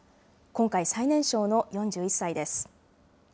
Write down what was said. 今回、最年少の４１歳です。